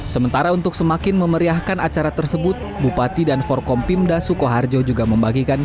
sementara untuk semakin memeriahkan acara tersebut bupati dan forkompimda sukoharjo juga membagikan